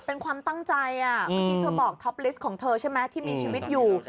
เป็นความตั้งใจเมื่อกี้เธอบอกท็อปลิสต์ของเธอใช่ไหมที่มีชีวิตอยู่